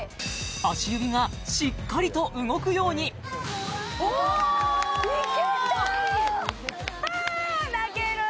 足指がしっかりと動くようにあっ泣ける！